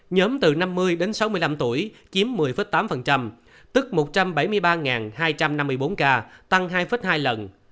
nhóm từ năm mươi đến sáu mươi năm tuổi chiếm một mươi tám tức một trăm bảy mươi ba hai trăm năm mươi bốn ca tăng hai hai lần